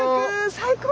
最高！